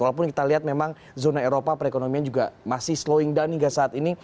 walaupun kita lihat memang zona eropa perekonomian juga masih slowing down hingga saat ini